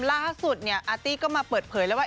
ล่าสุดเนี่ยอาร์ตี้ก็มาเปิดเผยแล้วว่า